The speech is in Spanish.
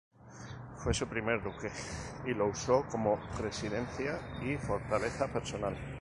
Fue su primer duque, y lo usó como residencia y fortaleza personal.